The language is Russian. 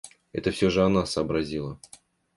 Это всё же она сообразила.